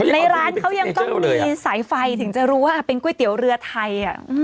ในร้านเขายังต้องมีสายไฟถึงจะรู้ว่าเป็นก๋วยเตี๋ยวเรือไทย